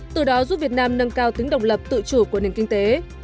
từ đó giúp việt nam nâng cao tính độc lập tự chủ của nền kinh tế